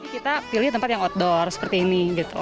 kita pilih tempat yang outdoor seperti ini